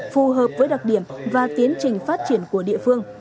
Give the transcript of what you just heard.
phù hợp với đặc điểm và tiến trình phát triển của địa phương